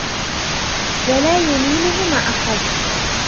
وَلَا يُنِيلُهُ مَا أَحَبَّ